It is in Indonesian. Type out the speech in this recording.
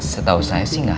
setau saya sih gak ada bu